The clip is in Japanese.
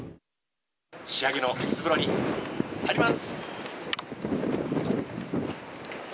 仕上げの水風呂に入ります。